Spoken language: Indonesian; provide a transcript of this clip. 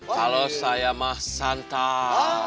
kalau saya mah santai